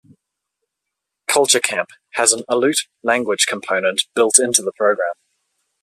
Culture Camp has an Aleut language component built into the program.